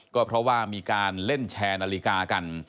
ก็เพราะว่ามีการเล่นแชร์นาฬิกากัน